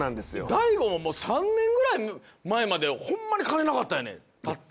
大悟も３年くらい前までほんまに金なかったよねたった。